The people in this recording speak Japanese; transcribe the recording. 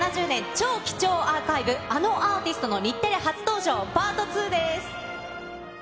超貴重アーカイブ、あのアーティストの日テレ初登場パート２です。